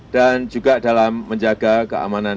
dan juga dalam menjaga keamanan